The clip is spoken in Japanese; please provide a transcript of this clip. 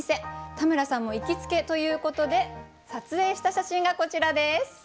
田村さんも行きつけということで撮影した写真がこちらです。